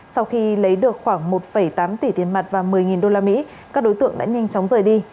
sau khi lấy được khoảng một tám tỷ tiền mặt và một mươi usd các đối tượng đã nhanh chóng rời đi